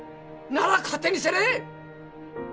なら勝手にせんね！